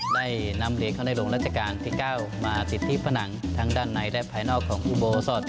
ได้นำเหรียญเข้าในหลวงราชการที่๙มาติดที่ผนังทั้งด้านในและภายนอกของอุโบสถ